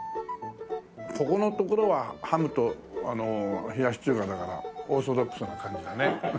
ここのところはハムと冷やし中華だからオーソドックスな感じだね。